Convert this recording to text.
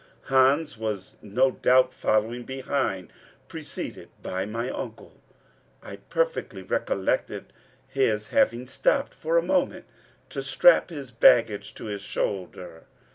Hans was no doubt following behind preceded by my uncle. I perfectly recollected his having stopped for a moment to strap his baggage on his shoulder.